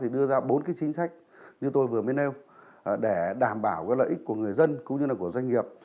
đưa ra bốn chính sách như tôi vừa mới nêu để đảm bảo lợi ích của người dân cũng như là của doanh nghiệp